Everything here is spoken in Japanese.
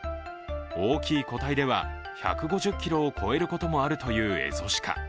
大きい個体では１５０ｋｇを越えることもあるというエゾシカ。